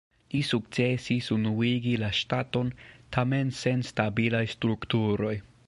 Li sukcesis unuigi la ŝtaton, tamen sen stabilaj strukturoj.